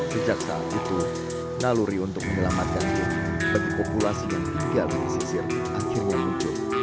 sejak saat itu naluri untuk menyelamatkannya bagi populasi yang tinggal di sisir akhirnya wujud